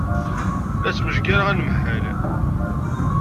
La smejgareɣ anemhal.